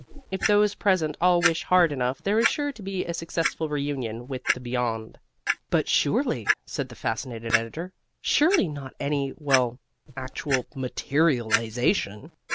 If those present all wish hard enough there is sure to be a successful reunion with the Beyond." "But surely," said the fascinated editor, "surely not any well, actual MATERIALIZATION?"